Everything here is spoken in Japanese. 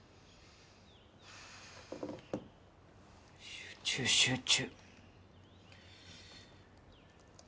集中集中。